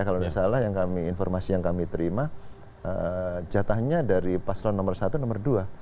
kalau tidak salah informasi yang kami terima jatahnya dari paslon nomor satu nomor dua